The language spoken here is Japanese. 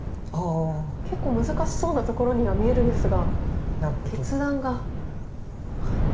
結構難しそうなところには見えるんですが決断が。